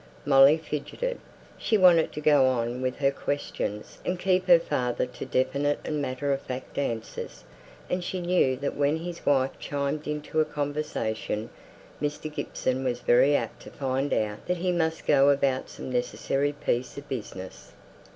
Molly fidgeted; she wanted to go on with her questions and keep her father to definite and matter of fact answers, and she knew that when his wife chimed into a conversation, Mr. Gibson was very apt to find out that he must go about some necessary piece of business.